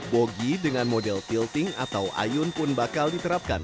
bogi dengan model filting atau ayun pun bakal diterapkan